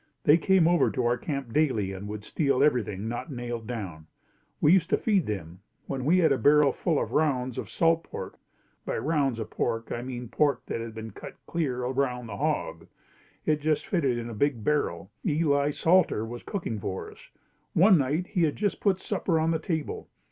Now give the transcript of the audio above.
They came over to our camp daily and would steal everything not nailed down. We used to feed them. We had a barrel full of rounds of salt pork. By rounds of pork, I mean pork that had been cut clear around the hog. It just fitted in a big barrel. Eli Salter was cooking for us. One night he had just put supper on the table.